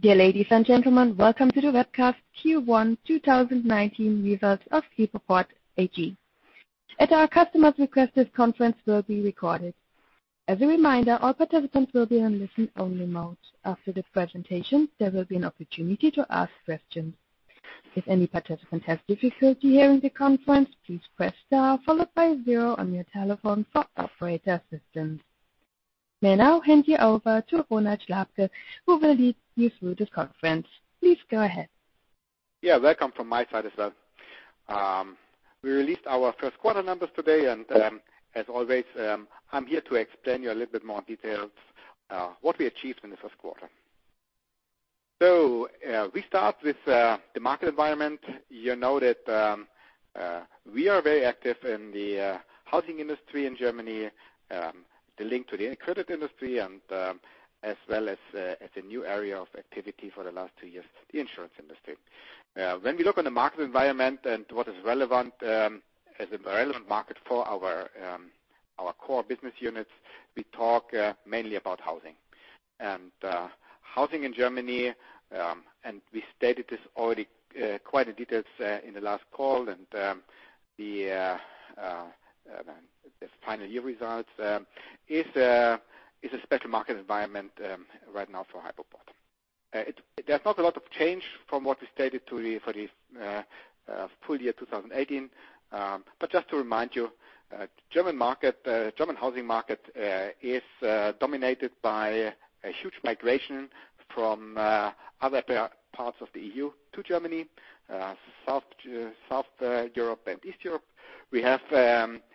Dear ladies and gentlemen, welcome to the webcast Q1 2019 Results of Hypoport SE. As our customers requested, this conference will be recorded. As a reminder, all participants will be in listen only mode. After the presentation, there will be an opportunity to ask questions. If any participant has difficulty hearing the conference, please press star followed by zero on your telephone for operator assistance. May I now hand you over to Ronald Slabke, who will lead you through the conference. Please go ahead. Yeah, welcome from my side as well. We released our first quarter numbers today, as always, I'm here to explain you a little bit more details what we achieved in the first quarter. We start with the market environment. You know that we are very active in the housing industry in Germany, the link to the credit industry, and as well as the new area of activity for the last 2 years, the insurance industry. When we look on the market environment and what is relevant as a relevant market for our core business units, we talk mainly about housing. Housing in Germany, we stated this already quite in detail in the last call and the full year results, is a special market environment right now for Hypoport. There's not a lot of change from what we stated for the full year 2018. Just to remind you, German housing market is dominated by a huge migration from other parts of the EU to Germany, South Europe and East Europe. We have,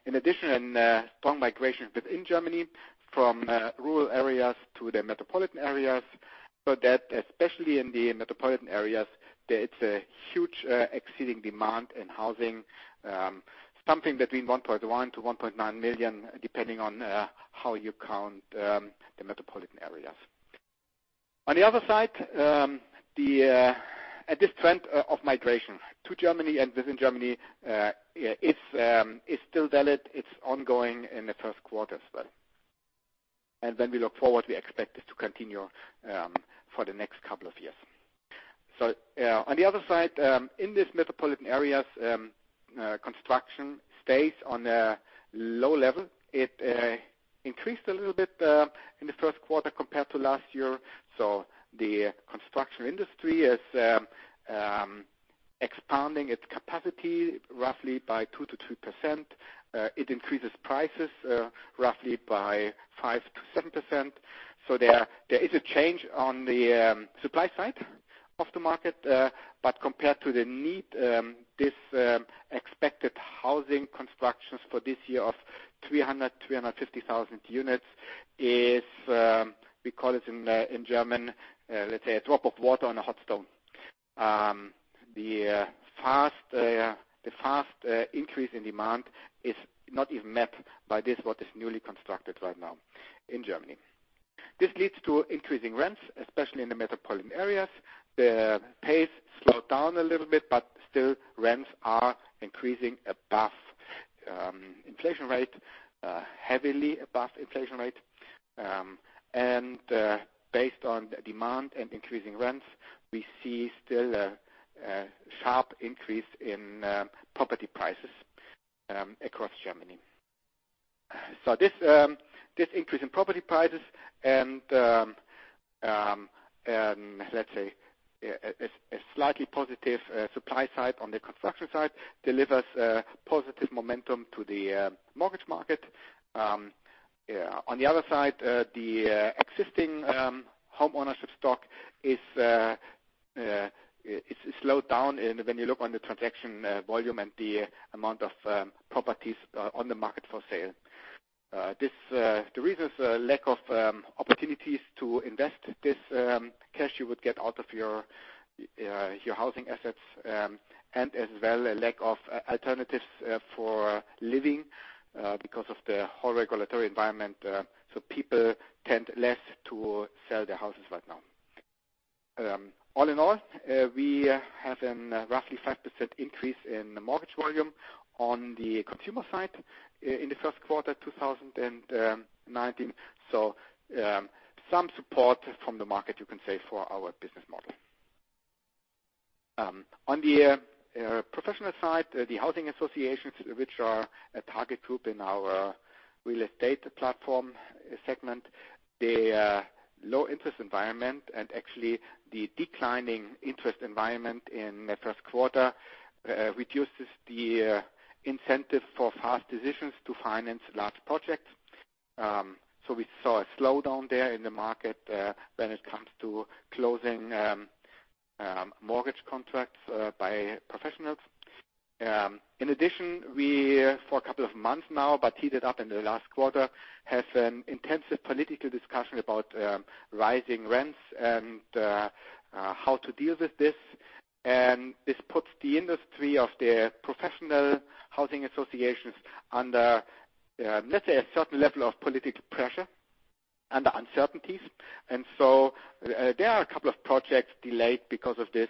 in addition, strong migration within Germany from rural areas to the metropolitan areas. That especially in the metropolitan areas, there it's a huge exceeding demand in housing, something between 1.1 million-1.9 million, depending on how you count the metropolitan areas. On the other side, this trend of migration to Germany and within Germany is still valid. It's ongoing in the first quarter as well. When we look forward, we expect it to continue for the next couple of years. On the other side, in these metropolitan areas, construction stays on a low level. It increased a little bit in the first quarter compared to last year. The construction industry is expanding its capacity roughly by 2%-3%. It increases prices roughly by 5%-7%. There is a change on the supply side of the market. Compared to the need, this expected housing constructions for this year of 300,000-350,000 units is, we call it in German, let's say a drop of water on a hot stone. The fast increase in demand is not even met by this what is newly constructed right now in Germany. This leads to increasing rents, especially in the metropolitan areas. The pace slowed down a little bit, still rents are increasing above inflation rate, heavily above inflation rate. Based on the demand and increasing rents, we see still a sharp increase in property prices across Germany. This increase in property prices and, let's say, a slightly positive supply side on the construction side delivers a positive momentum to the mortgage market. The other side, the existing homeownership stock is slowed down when you look on the transaction volume and the amount of properties on the market for sale. The reason is a lack of opportunities to invest this cash you would get out of your housing assets, and as well, a lack of alternatives for living because of the whole regulatory environment. People tend less to sell their houses right now. All in all, we have a roughly 5% increase in the mortgage volume on the consumer side in the first quarter 2019. Some support from the market, you can say, for our business model. On the professional side, the housing associations, which are a target group in our real estate platform segment, the low interest environment and actually the declining interest environment in the first quarter reduces the incentive for fast decisions to finance large projects. We saw a slowdown there in the market when it comes to closing mortgage contracts by professionals. In addition, we, for a couple of months now, but heated up in the last quarter, have an intensive political discussion about rising rents and how to deal with this. This puts the industry of the professional housing associations under, let's say, a certain level of political pressure, under uncertainties. There are a couple of projects delayed because of this,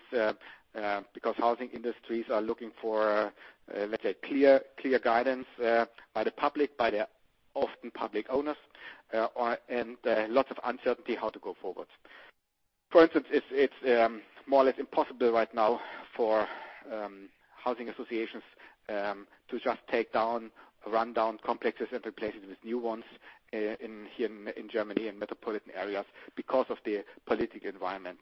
because housing industries are looking for, let's say, clear guidance by the public, by the often public owners and lots of uncertainty how to go forward. For instance, it is more or less impossible right now for housing associations to just take down rundown complexes and replace it with new ones here in Germany, in metropolitan areas because of the political environment.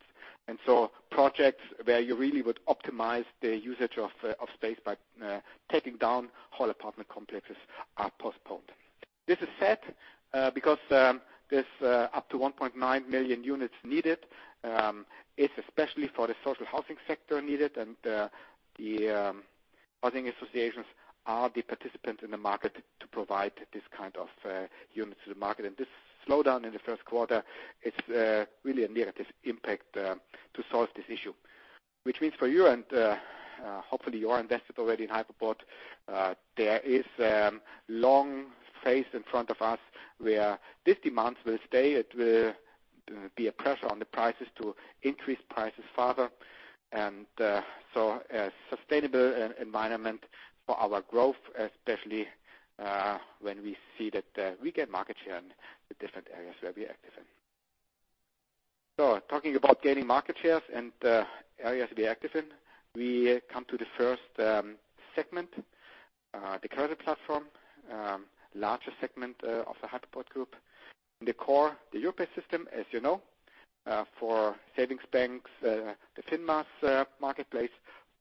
Projects where you really would optimize the usage of space by taking down whole apartment complexes are postponed. This is sad because there is up to 1.9 million units needed. It is especially for the social housing sector needed and the housing associations are the participants in the market to provide this kind of units to the market. This slowdown in the first quarter, it is really a negative impact to solve this issue. Which means for you, and hopefully you are invested already in Hypoport, there is a long phase in front of us where this demand will stay. It will be a pressure on the prices to increase prices further. A sustainable environment for our growth, especially when we see that we get market share in the different areas where we are active in. Talking about gaining market shares and areas we are active in, we come to the first segment, the current platform, largest segment of the Hypoport group. In the core, the Europace System, as you know for savings banks, the Finmas marketplace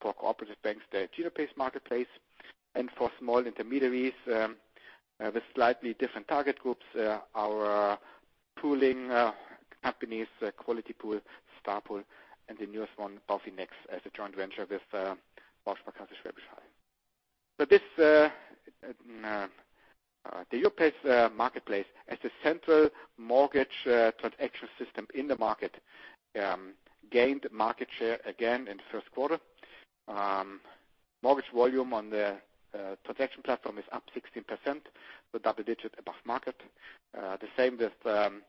for cooperative banks, the Europace marketplace and for small intermediaries with slightly different target groups, our pooling companies, Qualitypool, Starpool, and the newest one, Baufinex, as a joint venture with Bausparkasse Schwäbisch Hall. The Europace marketplace as a central mortgage transaction system in the market, gained market share again in the first quarter. Mortgage volume on the transaction platform is up 16%, double digit above market. The same with the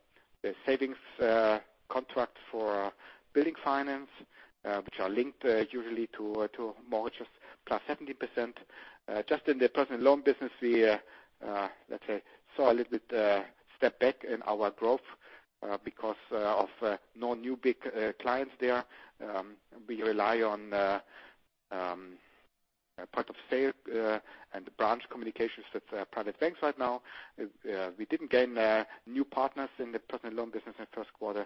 savings contract for building finance, which are linked usually to mortgages, plus 17%. Just in the personal loan business, we, let's say, saw a little bit step back in our growth because of no new big clients there. We rely on point of sale and branch communications with private banks right now. We didn't gain new partners in the personal loan business in the first quarter.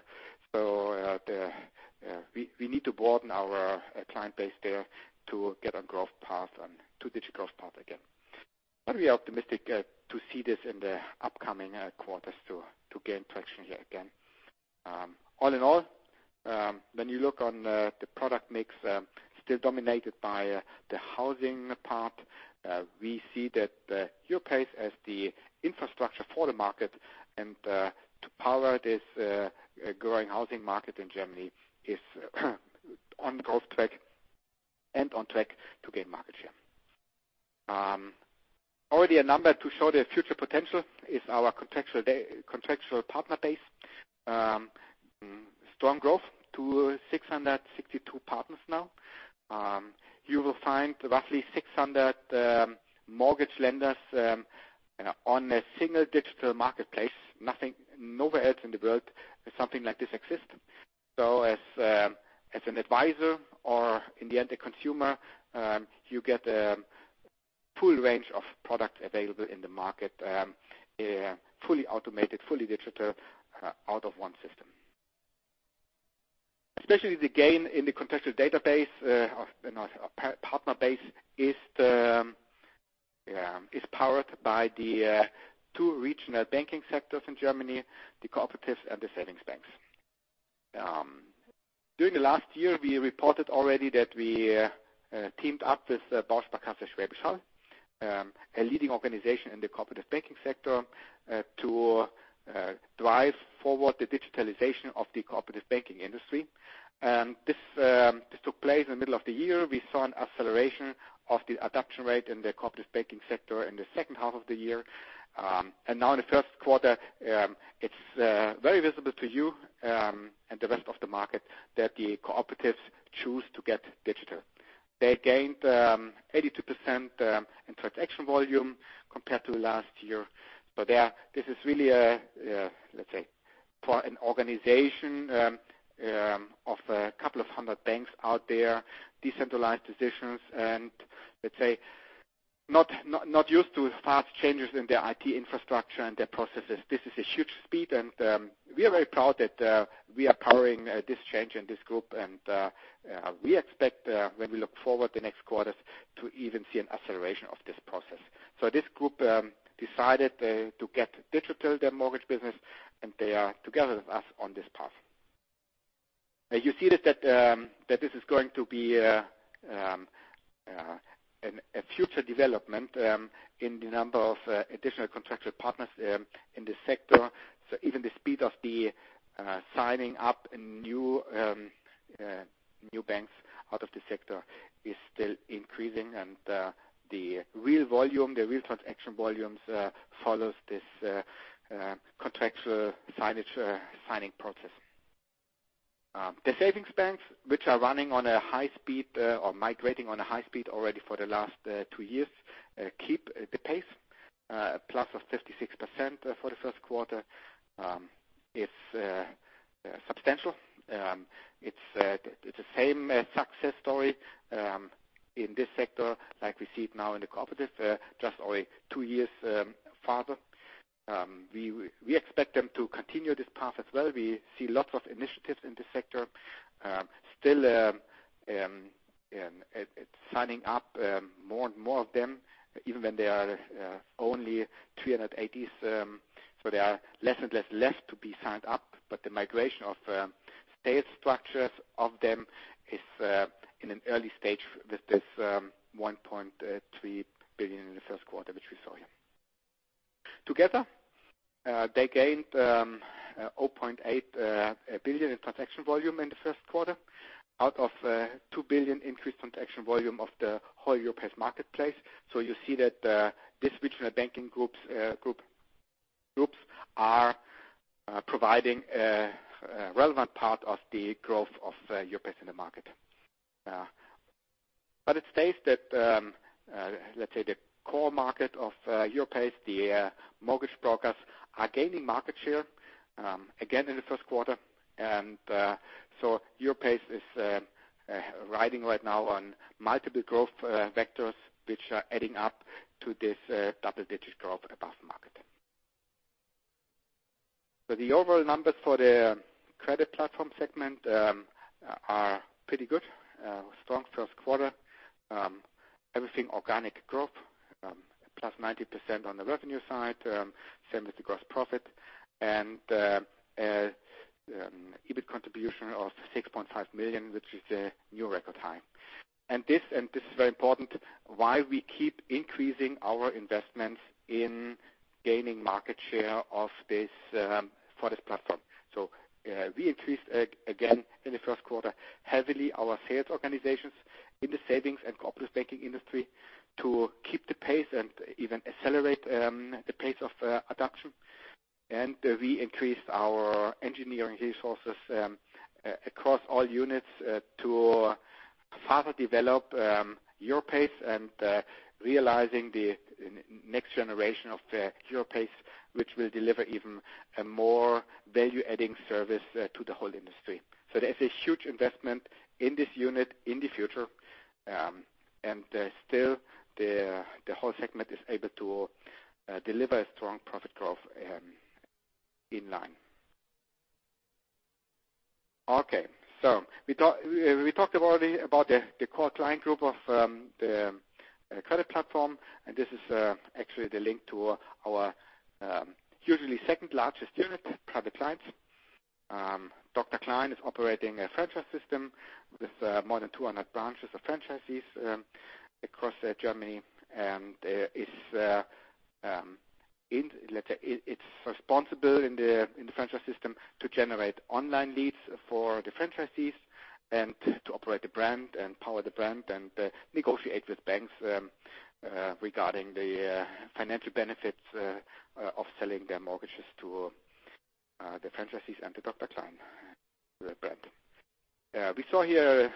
We need to broaden our client base there to get on growth path on two-digit growth path again. We are optimistic to see this in the upcoming quarters to gain traction here again. All in all, when you look on the product mix, still dominated by the housing part. We see that Europace as the infrastructure for the market and to power this growing housing market in Germany is on growth track and on track to gain market share. Already a number to show the future potential is our contractual partner base. Strong growth to 662 partners now. You will find roughly 600 mortgage lenders on a single digital marketplace. Nowhere else in the world does something like this exist. As an advisor or in the end a consumer, you get a full range of product available in the market, fully automated, fully digital out of one system. Especially the gain in the contractual partner base is powered by the two regional banking sectors in Germany, the cooperatives and the savings banks. During the last year, we reported already that we teamed up with [Bosch Bank], a leading organization in the cooperative banking sector, to drive forward the digitalization of the cooperative banking industry. This took place in the middle of the year. We saw an acceleration of the adoption rate in the cooperative banking sector in the second half of the year. Now in the first quarter, it's very visible to you, and the rest of the market that the cooperatives choose to get digital. They gained 82% in transaction volume compared to last year. This is really, let's say, for an organization of a couple of hundred banks out there, decentralized decisions and let's say, not used to fast changes in their IT infrastructure and their processes. This is a huge speed and we are very proud that we are powering this change in this group. We expect when we look forward the next quarters to even see an acceleration of this process. This group decided to get digital, their mortgage business, and they are together with us on this path. You see that this is going to be a future development in the number of additional contractual partners in this sector. Even the speed of the signing up new banks out of the sector is still increasing and the real transaction volumes follows this contractual signing process. The savings banks, which are running on a high speed or migrating on a high speed already for the last two years, keep the pace. A plus of 56% for the first quarter is substantial. It's the same success story in this sector like we see it now in the cooperatives, just only two years farther. We expect them to continue this path as well. We see lots of initiatives in this sector. Still, it's signing up more and more of them, even when there are only 380. There are less and less left to be signed up, but the migration of state structures of them is in an early stage with this 1.3 billion in the first quarter, which we saw here. Together, they gained 0.8 billion in transaction volume in the first quarter out of 2 billion increase transaction volume of the whole Europace marketplace. You see that this regional banking groups are providing a relevant part of the growth of Europace in the market. It stays that, let's say the core market of Europace, the mortgage brokers, are gaining market share again in the first quarter. Europace is riding right now on multiple growth vectors, which are adding up to this double-digit growth above market. The overall numbers for the credit platform segment are pretty good. A strong first quarter. Everything organic growth, plus 19% on the revenue side, same with the gross profit and EBIT contribution of 6.5 million, which is a new record high. This is very important, why we keep increasing our investments in gaining market share for this platform. We increased again in the first quarter, heavily our sales organizations in the savings and corporate banking industry to keep the pace and even accelerate the pace of adoption. We increased our engineering resources across all units to farther develop Europace and realizing the next generation of Europace, which will deliver even a more value-adding service to the whole industry. There's a huge investment in this unit in the future, and still, the whole segment is able to deliver a strong profit growth in line. We talked already about the core client group of the credit platform, and this is actually the link to our usually second-largest unit, private clients. Dr. Klein is operating a franchise system with more than 200 branches of franchisees across Germany, and it's responsible in the franchise system to generate online leads for the franchisees and to operate the brand and power the brand and negotiate with banks regarding the financial benefits of selling their mortgages to the franchisees and the Dr. Klein brand. We saw here,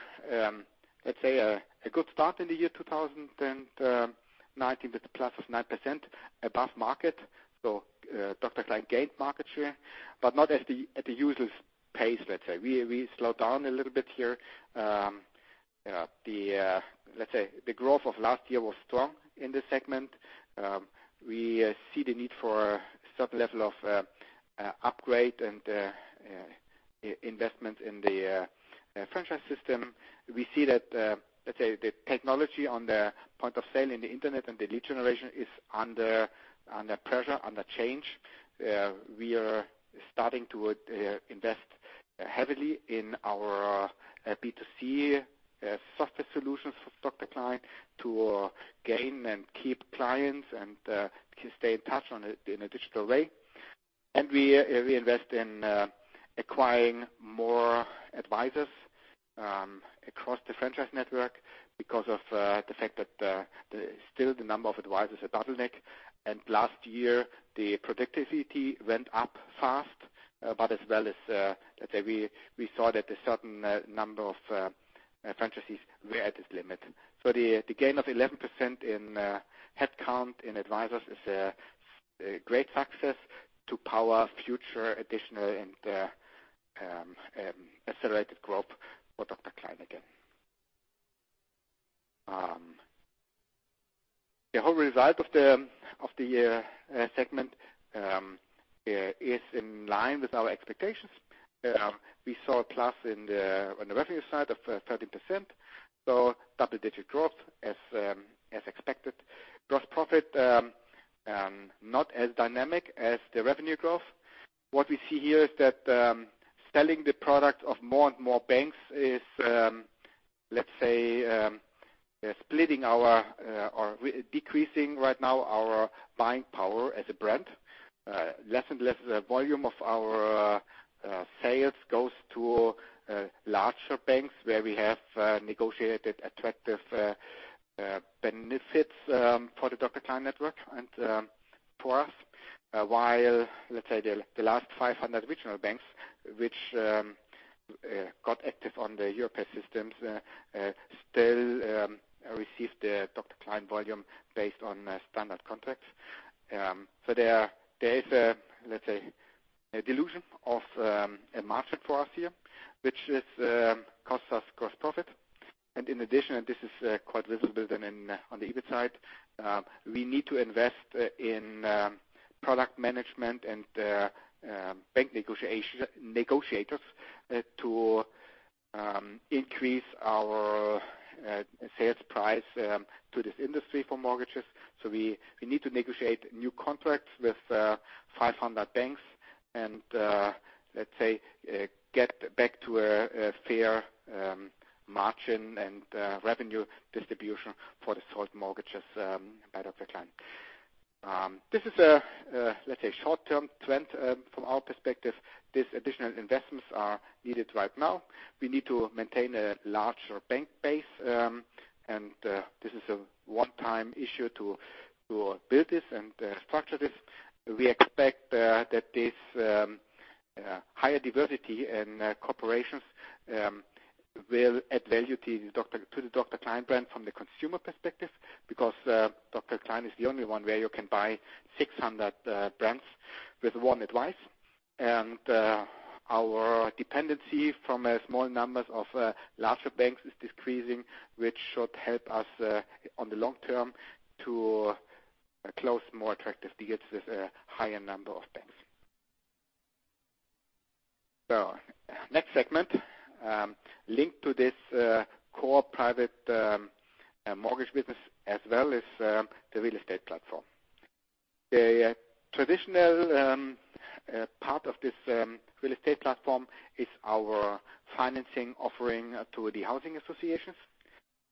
let's say, a good start in the year 2019 with a plus of 9% above market. Dr. Klein gained market share, but not at the usual pace, let's say. We slowed down a little bit here. Let's say the growth of last year was strong in this segment. We see the need for a certain level of upgrade and investment in the franchise system. We see that, let's say, the technology on the point of sale in the Internet and the lead generation is under pressure, under change. We are starting to invest heavily in our B2C software solutions for Dr. Klein to gain and keep clients and can stay in touch in a digital way. We invest in acquiring more advisors across the franchise network because of the fact that still the number of advisors are bottlenecked. Last year, the productivity went up fast. As well as, let's say, we saw that a certain number of franchisees were at this limit. The gain of 11% in headcount in advisors is a great success to power future additional and accelerated growth for Dr. Klein again. The whole result of the segment is in line with our expectations. We saw a plus on the revenue side of 13%, so double-digit growth as expected. Gross profit, not as dynamic as the revenue growth. What we see here is that selling the product of more and more banks is splitting or decreasing right now our buying power as a brand. Less and less volume of our sales goes to larger banks where we have negotiated attractive benefits for the Dr. Klein network and for us. While the last 500 regional banks, which got active on the Europace systems still receive the Dr. Klein volume based on standard contracts. There is a dilution of a market for us here, which costs us gross profit. In addition, and this is quite visible on the EBIT side, we need to invest in product management and bank negotiators to increase our sales price to this industry for mortgages. We need to negotiate new contracts with 500 banks and get back to a fair margin and revenue distribution for the sold mortgages by Dr. Klein. This is a short-term trend from our perspective. These additional investments are needed right now. We need to maintain a larger bank base, and this is a one-time issue to build this and structure this. We expect that this higher diversity in corporations will add value to the Dr. Klein brand from the consumer perspective, because Dr. Klein is the only one where you can buy 600 brands with one advice. Our dependency from small numbers of larger banks is decreasing, which should help us on the long term to close more attractive deals with a higher number of banks. Next segment, linked to this core private mortgage business as well is the real estate platform. A traditional part of this real estate platform is our financing offering to the housing associations.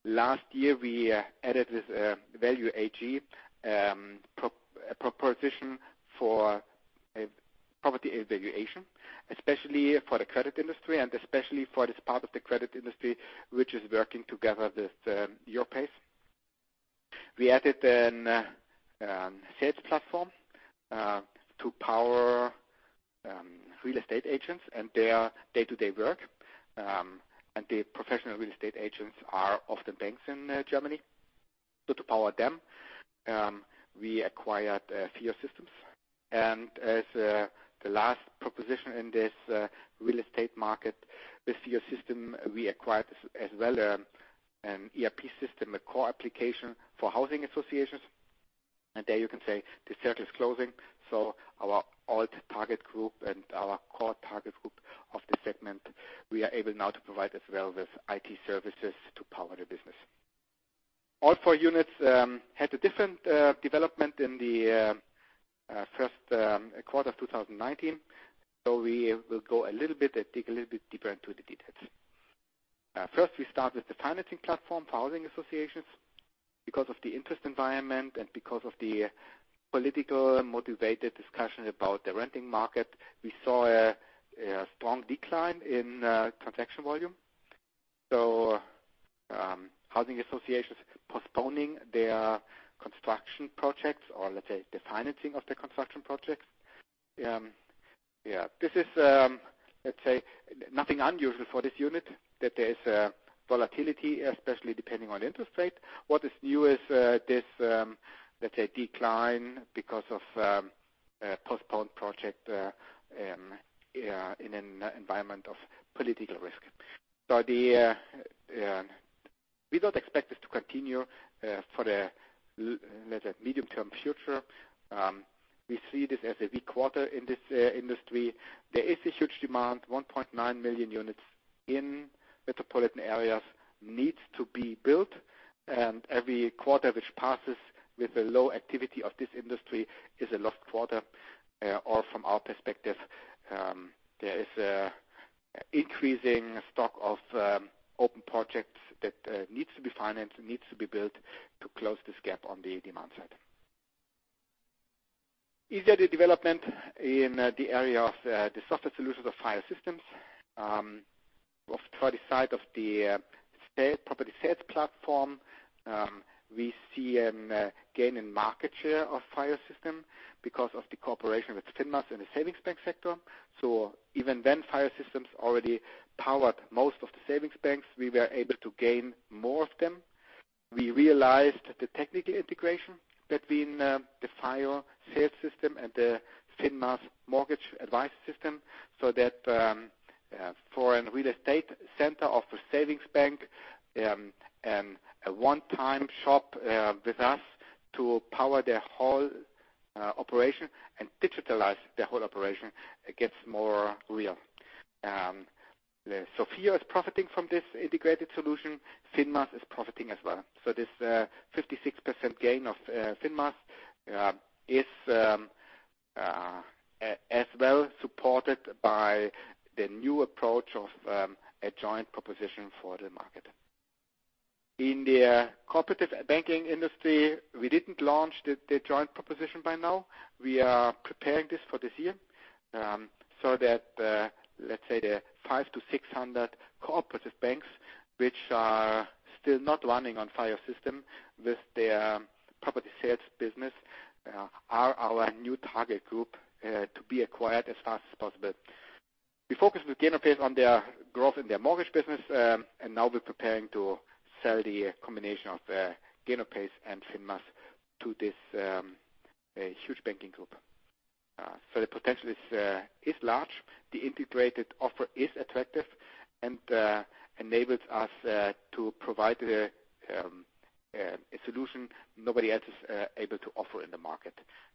Last year, we added this Value AG proposition for property valuation, especially for the credit industry and especially for this part of the credit industry, which is working together with Europace. We added a sales platform to power real estate agents and their day-to-day work. The professional real estate agents are often banks in Germany. To power them, we acquired FIO Systems. As the last proposition in this real estate market, with FIO Systems, we acquired as well an ERP system, a core application for housing associations. There you can say the circle is closing. Our old target group and our core target group of this segment, we are able now to provide as well with IT services to power the business. All four units had a different development in the first quarter of 2019. We will go a little bit deeper into the details. First, we start with the financing platform for housing associations. Because of the interest environment and because of the politically motivated discussion about the renting market, we saw a strong decline in transaction volume. Housing associations postponing their construction projects or the financing of the construction projects. This is nothing unusual for this unit, that there is a volatility, especially depending on interest rate. What is new is this decline because of postponed project in an environment of political risk. We don't expect this to continue for the medium-term future. We see this as a weak quarter in this industry. There is a huge demand, 1.9 million units in metropolitan areas needs to be built, and every quarter which passes with a low activity of this industry is a lost quarter or from our perspective, there is increasing stock of open projects that needs to be financed and needs to be built to close this gap on the demand side. Easier development in the area of the software solutions of FIO Systems. For the side of the property sales platform, we see a gain in market share of FIO Systems because of the cooperation with Finmas in the savings bank sector. Even then, FIO Systems already powered most of the savings banks. We were able to gain more of them. We realized the technical integration between the FIO sales system and the Finmas mortgage advice system, so that for a real estate center of a savings bank, a one-time shop with us to power their whole operation and digitalize their whole operation gets more real. FIO is profiting from this integrated solution. Finmas is profiting as well. This 56% gain of Finmas is as well supported by the new approach of a joint proposition for the market. In the cooperative banking industry, we didn't launch the joint proposition by now. We are preparing this for this year, that the 5 to 600 cooperative banks which are still not running on FIO Systems with their property sales business are our new target group to be acquired as fast as possible. We focus with Genopace on their growth in their mortgage business, and now we're preparing to sell the combination of Genopace and Finmas to this huge banking group. The potential is large. The integrated offer is attractive and enables us to provide a solution nobody else is able to offer in the market.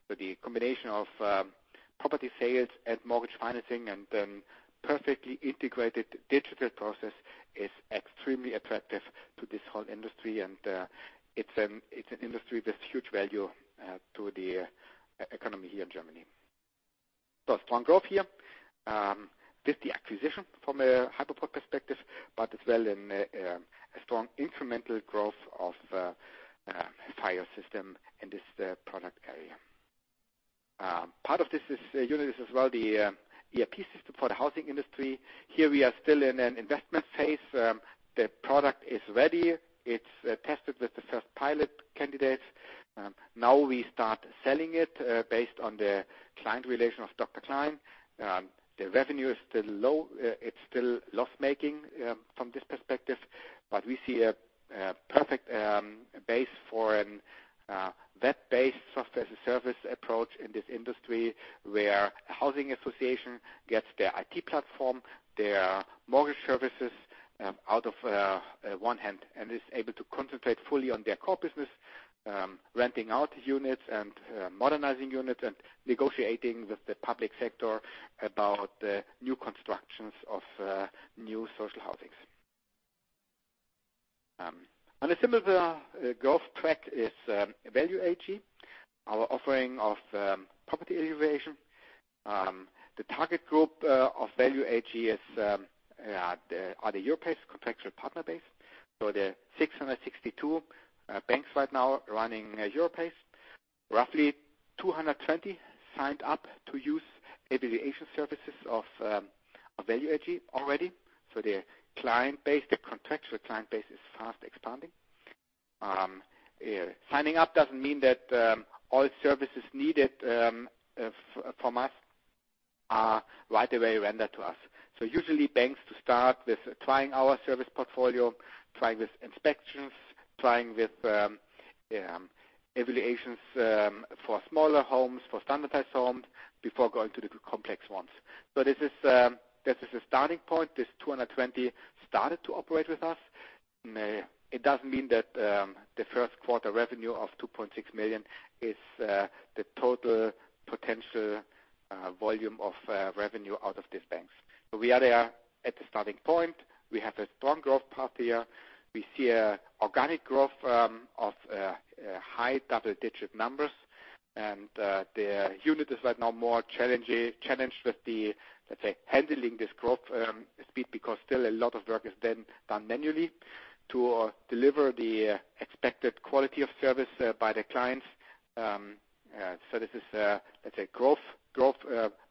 The combination of property sales and mortgage financing and perfectly integrated digital process is extremely attractive to this whole industry, and it's an industry with huge value to the economy here in Germany. Strong growth here. With the acquisition from a Hypoport perspective, but as well in a strong incremental growth of FIO Systems in this product area. Part of this unit is as well the ERP system for the housing industry. Here we are still in an investment phase. The product is ready. It's tested with the first pilot candidates. Now we start selling it based on the client relation of Dr. Klein. The revenue is still low. It's still loss-making from this perspective, but we see a perfect base for a web-based software-as-a-service approach in this industry, where housing association gets their IT platform, their mortgage services out of one hand, and is able to concentrate fully on their core business, renting out units and modernizing units and negotiating with the public sector about new constructions of new social housings. On a similar growth track is Value AG, our offering of property evaluation. The target group of Value AG is the other Europace contractual partner base. The 662 banks right now running Europace. Roughly 220 signed up to use evaluation services of Value AG already. Their contractual client base is fast expanding. Signing up doesn't mean that all services needed from us are right away rendered to us. Usually banks to start with trying our service portfolio, trying with inspections, trying with evaluations for smaller homes, for standardized homes before going to the complex ones. This is the starting point. This 220 started to operate with us. It doesn't mean that the first quarter revenue of 2.6 million is the total potential volume of revenue out of these banks. We are there at the starting point. We have a strong growth path here. We see organic growth of high double-digit numbers. The unit is right now more challenged with the, let's say, handling this growth speed because still a lot of work is then done manually to deliver the expected quality of service by the clients. This is a, let's say, growth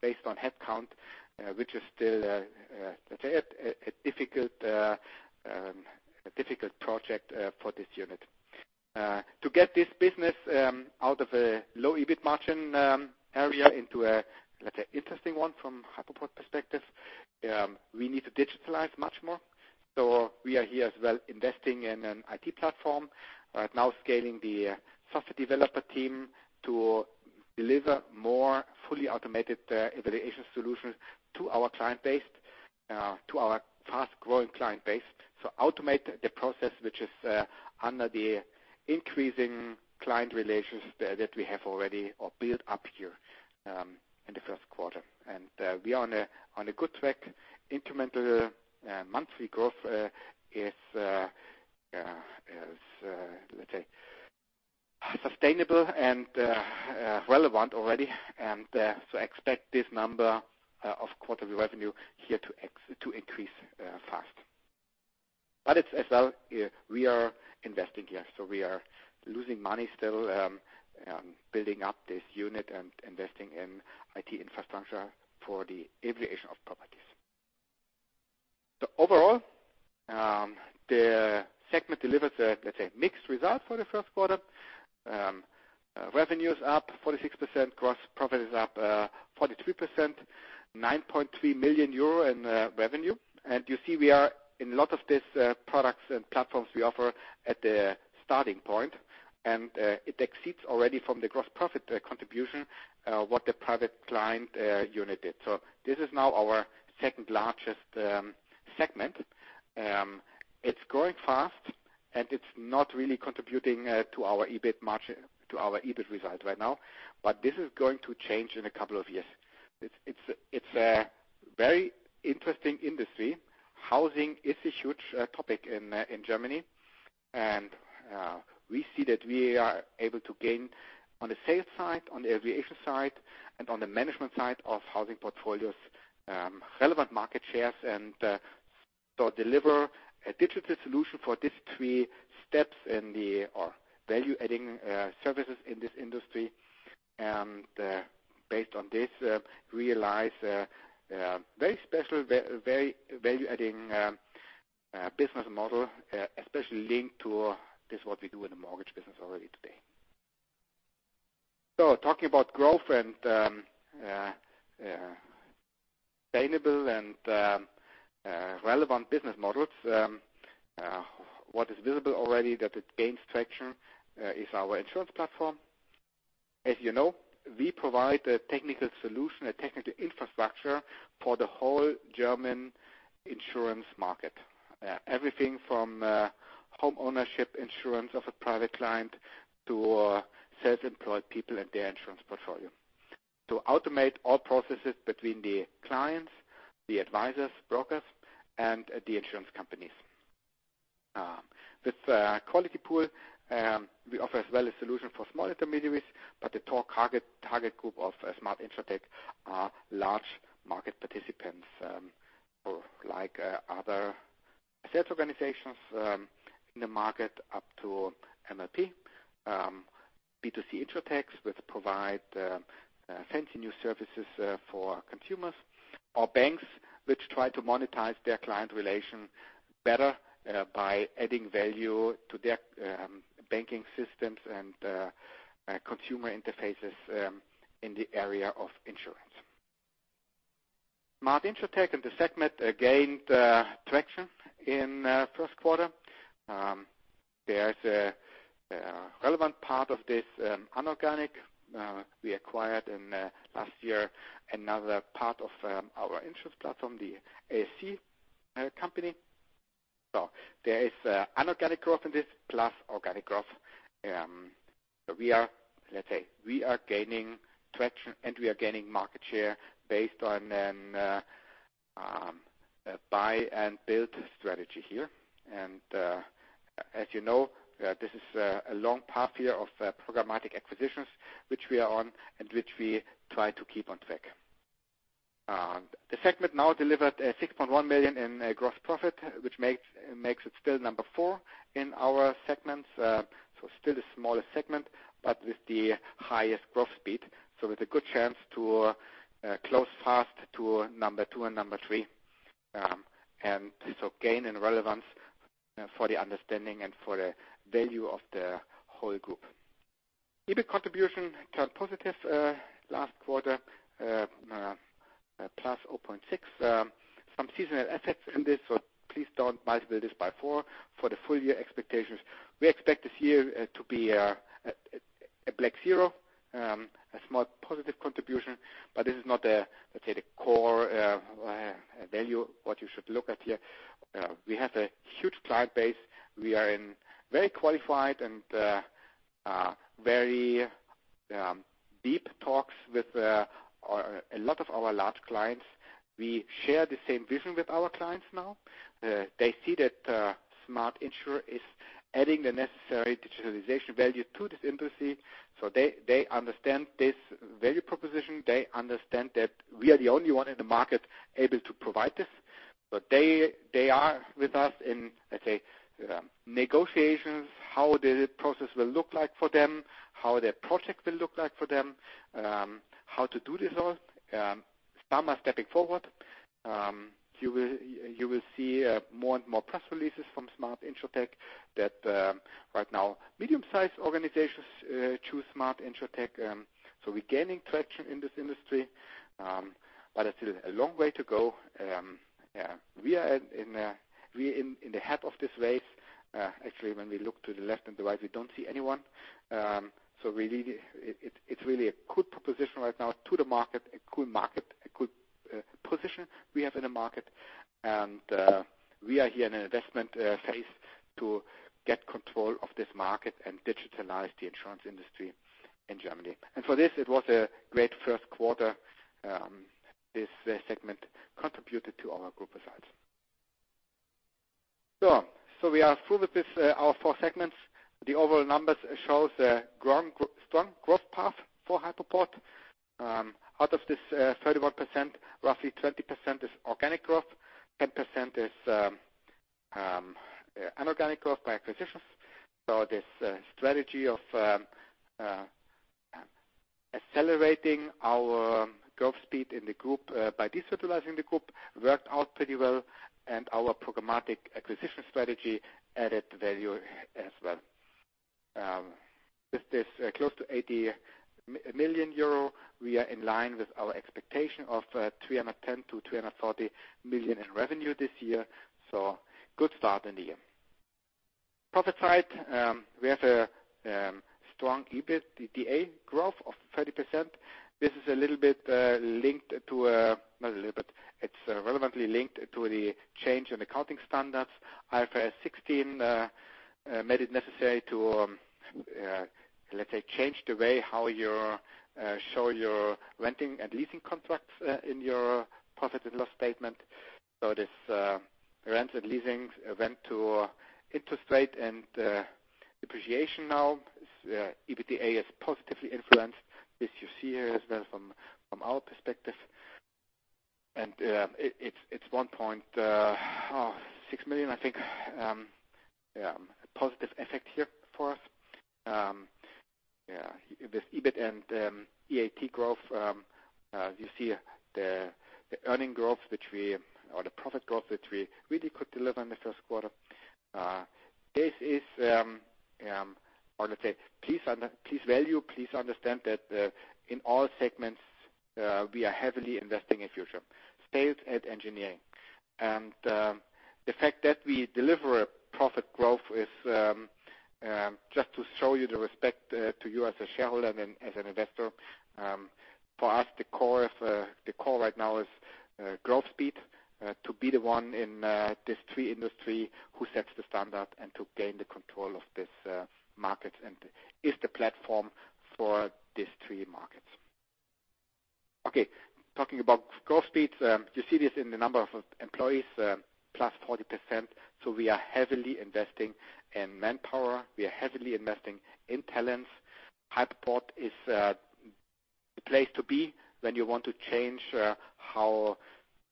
based on headcount, which is still a, let's say, a difficult project for this unit. To get this business out of a low EBIT margin area into a, let's say, interesting one from Hypoport perspective, we need to digitalize much more. We are here as well investing in an IT platform, right now scaling the software developer team to deliver more fully automated evaluation solutions to our fast-growing client base. Automate the process, which is under the increasing client relations that we have already or built up here in the first quarter. We are on a good track. Incremental monthly growth is, let's say, sustainable and relevant already. Expect this number of quarterly revenue here to increase fast. It's as well, we are investing here, so we are losing money still building up this unit and investing in IT infrastructure for the evaluation of properties. Overall, the segment delivers a, let's say, mixed result for the first quarter. Revenue is up 46%, gross profit is up 43%, 9.3 million euro in revenue. You see we are in a lot of these products and platforms we offer at the starting point. It exceeds already from the gross profit contribution what the private client unit did. This is now our second-largest segment. It's growing fast, and it's not really contributing to our EBIT results right now, but this is going to change in a couple of years. It's a very interesting industry. Housing is a huge topic in Germany. We see that we are able to gain on the sales side, on the evaluation side, and on the management side of housing portfolios relevant market shares and so deliver a digital solution for these three steps in the-- or value-adding services in this industry. Based on this, realize very special, very value-adding business model, especially linked to this, what we do in the mortgage business already today. Talking about growth and sustainable and relevant business models, what is visible already that it gains traction is our insurance platform. As you know, we provide a technical solution, a technical infrastructure for the whole German insurance market. Everything from home ownership insurance of a private client to self-employed people and their insurance portfolio. To automate all processes between the clients, the advisors, brokers, and the insurance companies. With Qualitypool, we offer as well a solution for smaller intermediaries, but the top target group of Smart InsurTech are large market participants, like other sales organizations in the market up to MLP, B2C Insurtechs, which provide fancy new services for consumers, or banks which try to monetize their client relation better by adding value to their banking systems and consumer interfaces in the area of insurance. Smart InsurTech in the segment gained traction in first quarter. There is a relevant part of this inorganic. We acquired in last year, another part of our insurance platform, the ASSFINET. There is inorganic growth in this, plus organic growth. Let's say, we are gaining traction and we are gaining market share based on an buy and build strategy here. As you know, this is a long path here of programmatic acquisitions which we are on and which we try to keep on track. The segment now delivered 6.1 million in gross profit, which makes it still number four in our segments. Still the smallest segment, but with the highest growth speed. With a good chance to close fast to number two and number three. So gain in relevance for the understanding and for the value of the whole group. EBIT contribution turned positive last quarter, +0.6. Some seasonal assets in this, so please don't multiply this by four for the full year expectations. We expect this year to be a black zero, a small positive contribution, but this is not, let's say, the core value, what you should look at here. We have a huge client base. We are in very qualified and very deep talks with a lot of our large clients. We share the same vision with our clients now. They see that Smart InsurTech is adding the necessary digitalization value to this industry, so they understand this value proposition. They understand that we are the only one in the market able to provide this. They are with us in, let's say, negotiations, how the process will look like for them, how their project will look like for them, how to do this all. Some are stepping forward. You will see more and more press releases from Smart InsurTech that right now medium-sized organizations choose Smart InsurTech. We're gaining traction in this industry. But it's still a long way to go. We are in the head of this race. When we look to the left and the right, we don't see anyone. It's really a good proposition right now to the market, a good position we have in the market. We are here in an investment phase to get control of this market and digitalize the insurance industry in Germany. For this, it was a great first quarter. This segment contributed to our group results. We are through with this, our four segments. The overall numbers shows a strong growth path for Hypoport. Out of this 31%, roughly 20% is organic growth, 10% is inorganic growth by acquisitions. This strategy of accelerating our growth speed in the group by digitalizing the group worked out pretty well, and our programmatic acquisition strategy added value as well. With this close to 80 million euro, we are in line with our expectation of 310 million-340 million in revenue this year, so good start in the year. Profit side, we have a strong EBITDA growth of 30%. This is relevantly linked to the change in accounting standards. IFRS 16 made it necessary to, let's say, change the way how you show your renting and leasing contracts in your profit and loss statement. This rents and leasings went to interest rate and depreciation now. EBITDA is positively influenced, as you see here as well from our perspective. It's 1.6 million, I think. A positive effect here for us. With EBIT and EAT growth, you see the earning growth or the profit growth that we really could deliver in the first quarter. I want to say, please value, please understand that in all segments, we are heavily investing in future, sales and engineering. The fact that we deliver a profit growth is just to show you the respect to you as a shareholder and as an investor. For us, the core right now is growth speed, to be the one in these three industries who sets the standard and to gain the control of these markets and is the platform for these three markets. Talking about growth speeds. You see this in the number of employees, plus 40%. We are heavily investing in manpower, we are heavily investing in talents. Hypoport is the place to be when you want to change how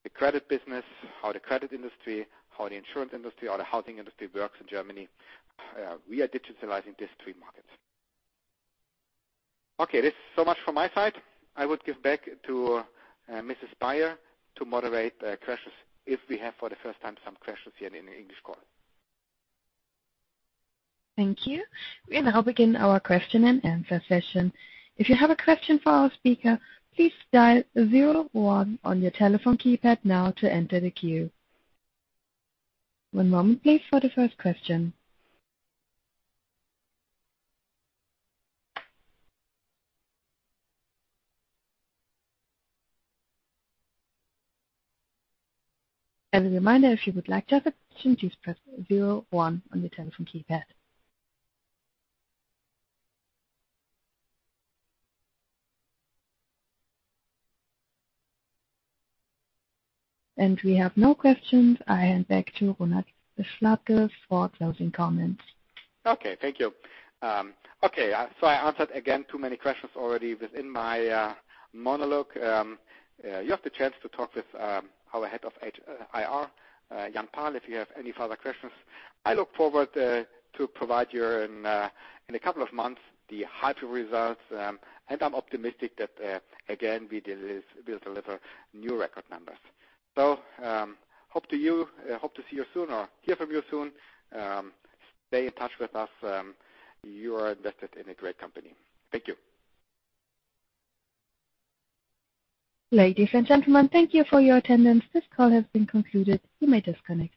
the credit business, how the credit industry, how the insurance industry or the housing industry works in Germany. We are digitalizing these three markets. This is so much from my side. I would give back to Ms. Breyer to moderate questions if we have for the first time some questions here in the English call. Thank you. We now begin our question and answer session. If you have a question for our speaker, please dial 01 on your telephone keypad now to enter the queue. One moment please for the first question. As a reminder, if you would like to ask a question, please press 01 on your telephone keypad. We have no questions. I hand back to Ronald Slabke for closing comments. Okay. Thank you. Okay. I answered again too many questions already within my monologue. You have the chance to talk with our head of HR, Jan Pahl, if you have any further questions. I look forward to provide you in a couple of months the Hypoport results. I'm optimistic that, again, we'll deliver new record numbers. Hope to see you soon or hear from you soon. Stay in touch with us. You are invested in a great company. Thank you. Ladies and gentlemen, thank you for your attendance. This call has been concluded. You may disconnect.